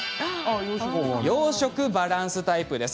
「洋食バランスタイプ」です。